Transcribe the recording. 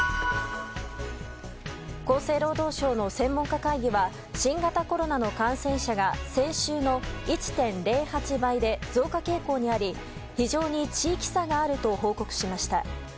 厚生労働省の専門家会議は新型コロナの感染者が先週の１．０８倍で増加傾向にあり非常に地域差があると報告しました。